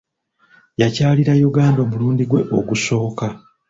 Yakyalira Uganda omulundi gwe ogusooka.